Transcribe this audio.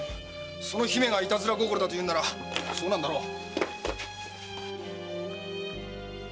その姫がいたずら心だと言うんならそうなんだろう！